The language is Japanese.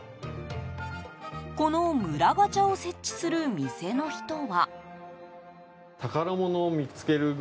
この村ガチャを設置する店の人は。